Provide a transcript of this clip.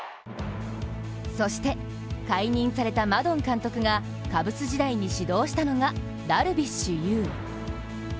そして、解任されたマドン監督がカブス時代に指導したのがダルビッシュ有。